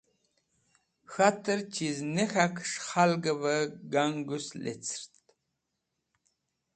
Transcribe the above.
Khatẽr chiz ne k̃hakẽs̃h khlgvẽ gangus levẽrt.